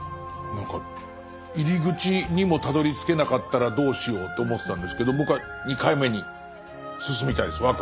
何か入り口にもたどりつけなかったらどうしようって思ってたんですけど僕は２回目に進みたいです。